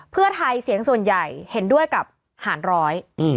เพื่อไทยเสียงส่วนใหญ่เห็นด้วยกับหารร้อย